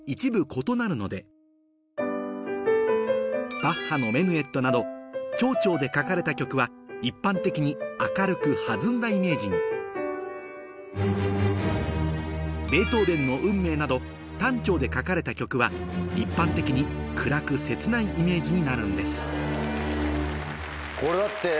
バッハの『メヌエット』など長調で書かれた曲は一般的に明るく弾んだイメージにベートーベンの『運命』など短調で書かれた曲は一般的に暗く切ないイメージになるんです